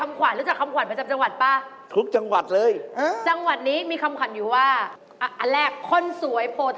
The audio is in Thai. มึวงโหวงมังกรมีที่เดียวเลย